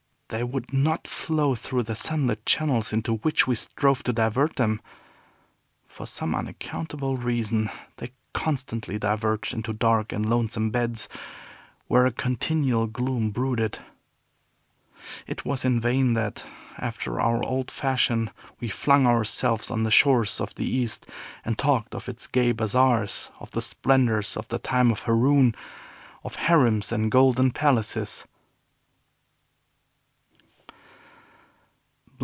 They would not flow through the sun lit channels into which we strove to divert them. For some unaccountable reason, they constantly diverged into dark and lonesome beds, where a continual gloom brooded. It was in vain that, after our old fashion, we flung ourselves on the shores of the East, and talked of its gay bazaars, of the splendors of the time of Haroun, of harems and golden palaces.